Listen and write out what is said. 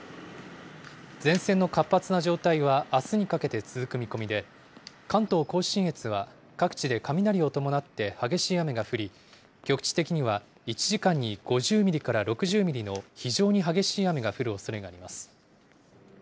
前線の活発な状態はあすにかけて続く見込みで、関東甲信越は、各地で雷を伴って激しい雨が降り、局地的には１時間に５０ミリから６０ミリの非常に激しい雨が降るおそれがあります。